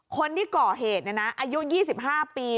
คนที่ก่อเหตุเนี่ยนะอายุยี่สิบห้าปี